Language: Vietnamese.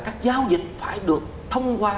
các giao dịch phải được thông qua